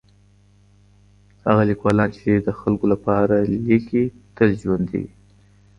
هغه ليکوالان چي د خلګو لپاره ليکي تل ژوندي وي.